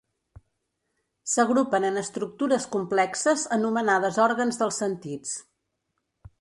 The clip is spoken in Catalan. S'agrupen en estructures complexes anomenades òrgans dels sentits.